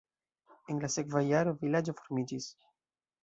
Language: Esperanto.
En la sekva jaro vilaĝo formiĝis.